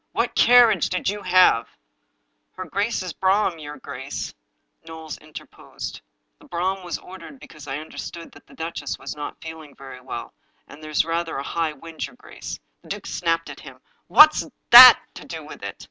" What carriage did you have? "" Her grace's brougham, your grace." Knowles interposed: " The brougham was ordered because I understood that the duchess was not feeling very well, and there's rather a high wind, your grace." The duke snapped at him: " What has that to do with it?